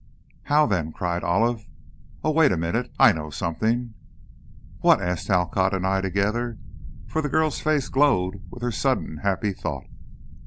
"How, then?" cried Olive. "Oh, wait a minute, I know something!" "What?" asked Talcott and I together, for the girl's face glowed with her sudden happy thought.